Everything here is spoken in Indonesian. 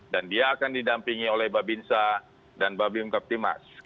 dan dia akan didampingi oleh babinsa dan babim captimas